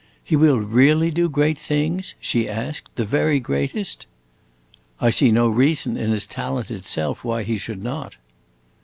"He will really do great things," she asked, "the very greatest?" "I see no reason in his talent itself why he should not."